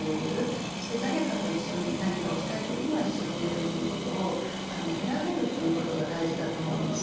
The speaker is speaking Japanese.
そして誰かと一緒に何かをしたい時には一緒にいれるということを選べるということが大事だと思うんですね。